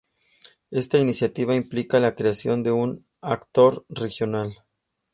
Esta iniciativa implica la creación de un actor regional.